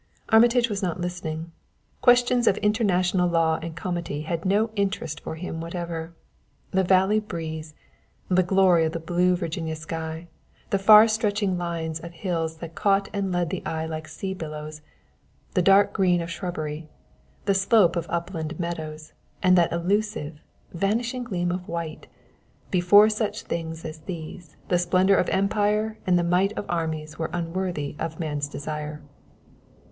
Armitage was not listening. Questions of international law and comity had no interest for him whatever. The valley breeze, the glory of the blue Virginia sky, the far stretching lines of hills that caught and led the eye like sea billows; the dark green of shrubbery, the slope of upland meadows, and that elusive, vanishing gleam of white, before such things as these the splendor of empire and the might of armies were unworthy of man's desire.